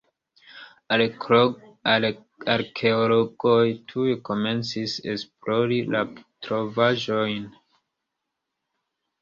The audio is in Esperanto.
Arkeologoj tuj komencis esplori la trovaĵojn.